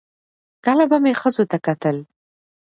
کله به مې ښځو ته کتل